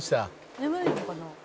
「眠いのかな？」